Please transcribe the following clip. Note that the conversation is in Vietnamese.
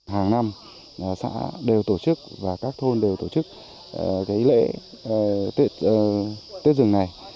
hàng năm xã đều tổ chức và các thôn đều tổ chức lễ tết dương này